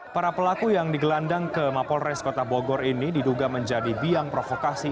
para pelaku yang digelandang ke mapolres kota bogor ini diduga menjadi biang provokasi